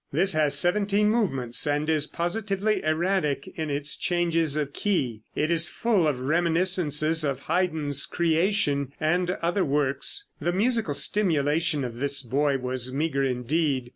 This has seventeen movements, and is positively erratic in its changes of key. It is full of reminiscences of Haydn's "Creation" and other works. The musical stimulation of this boy was meager indeed.